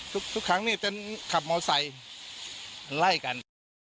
ทุกครั้งจะขับมอเซย์ไล่กัน